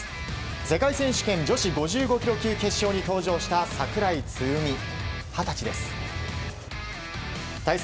世界選手権女子５５ｋｇ級決勝に登場した櫻井つぐみ二十歳です。